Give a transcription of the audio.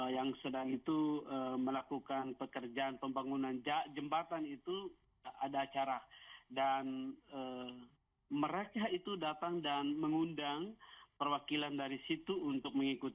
yang sedang itu melakukan pekerjaan pembangunan jembatan itu